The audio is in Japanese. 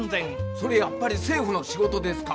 それやっぱり政府の仕事ですか？